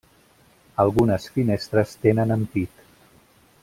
Algunes finestres tenen ampit.